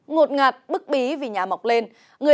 ngột ngạt bức bí vì nhà mọc lên